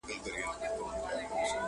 اوس د مطرب ستوني کي نسته پرونۍ سندري٫